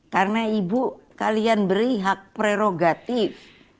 karena ibu kalian beri hak prerogatif